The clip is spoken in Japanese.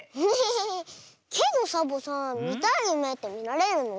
けどサボさんみたいゆめってみられるの？